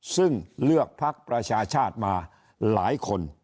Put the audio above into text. ซึ่งเลือกพักประชาชาติมาหลายคน